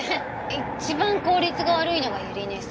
一番効率が悪いのが百合根荘。